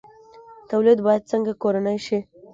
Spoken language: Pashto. تولید باید څنګه کورنی شي؟